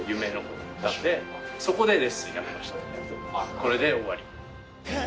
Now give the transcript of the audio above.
これで終わり。